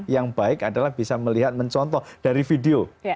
yang baik adalah bisa melihat mencontoh dari video